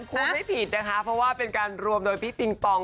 พูดไม่ผิดนะคะเพราะว่าเป็นการรวมโดยพี่ปิงปอง